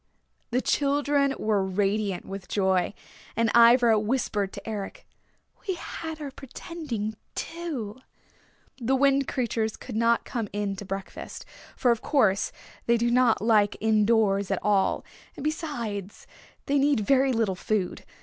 The children were radiant with joy. And Ivra whispered to Eric, "We had our pretending, too!" The Wind Creatures would not come in to breakfast, for of course they do not like in doors at all, and besides, they need very little food.